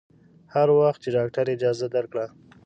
هر وخت چې ډاکتر اجازه درکړه.